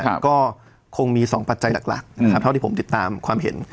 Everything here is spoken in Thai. ก็คงมีสองปัจจัยหลักหลักนะครับเท่าที่ผมติดตามความเห็น